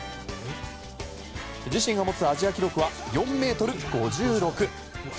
自身が持つアジア記録は４ｍ５６。